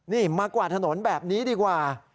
นี่มากวาดถนนแบบนี้ดีกว่า